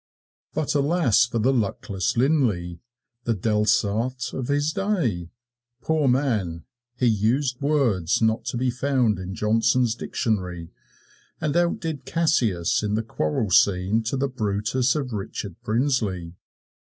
But alas for the luckless Linlay, the Delsarte of his day, poor man! he used words not to be found in Johnson's Dictionary, and outdid Cassius in the quarrel scene to the Brutus of Richard Brinsley.